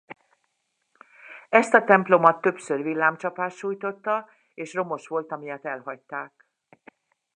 Ezt a templomot többször villámcsapás sújtotta és romos volta miatt elhagyták.